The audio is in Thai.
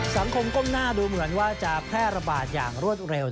ก้มหน้าดูเหมือนว่าจะแพร่ระบาดอย่างรวดเร็ว